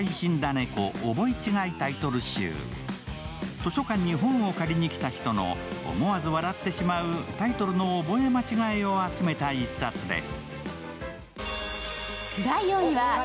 図書館に本を借りにきた人の思わず笑ってしまうタイトルの覚え間違いを集めた一冊です。